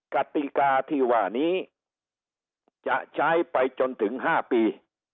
กติกาที่ว่านี้จะใช้ไปจนถึง๕ปี